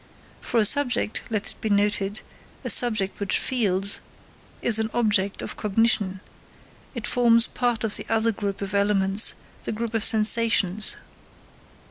For a subject, let it be noted, a subject which feels, is an object of cognition it forms part of the other group of elements, the group of sensations.